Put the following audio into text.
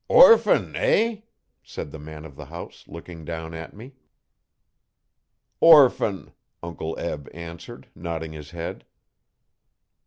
'Orphan, eh?' said the man of the house, looking down at me. 'Orphan,' Uncle Eb answered, nodding his head.